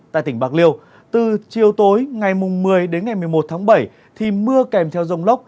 tại tỉnh bạc liêu từ chiều tối ngày một mươi đến ngày một mươi một tháng bảy thì mưa kèm theo dông lốc